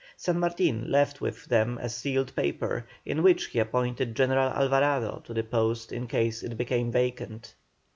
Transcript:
San Martin left with them a sealed paper, in which he appointed General Alvarado to that post in case it became vacant.